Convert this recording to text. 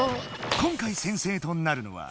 今回先生となるのは。